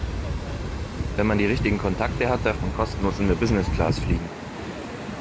Wenn man die richtigen Kontakte hat, darf man kostenlos in der Business-Class fliegen.